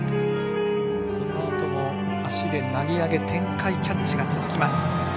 この後も足で投げ上げ、転回キャッチが続きます。